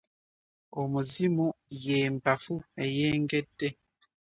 Omuzima ye mpafu eyengedde.